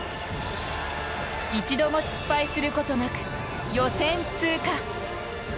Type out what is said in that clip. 一度も失敗することなく予選通過。